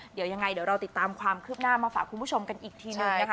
เดี๋ยวยังไงเดี๋ยวเราติดตามความคืบหน้ามาฝากคุณผู้ชมกันอีกทีหนึ่งนะคะ